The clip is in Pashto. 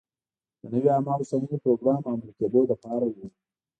د نوې عامه هوساینې پروګرام عملي کېدو لپاره و.